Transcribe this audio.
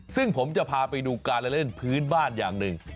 ซึ่งผมจะพาไปดูการเล่นพื้นบ้านอย่างหนึ่ง